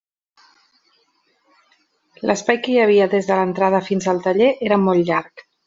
L'espai que hi havia des de l'entrada fins al taller era molt llarg.